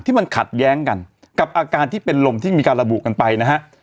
มันขัดแย้งกันกับอาการที่เป็นลมที่มีการระบุกันไปนะฮะ